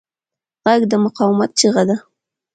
غږ د مقاومت چیغه ده